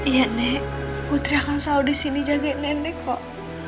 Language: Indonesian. ya nek putri akan selalu di sini jagain nek kok